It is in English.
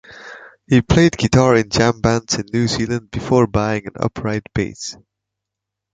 He played guitar in jam bands in New Zealand before buying an upright bass.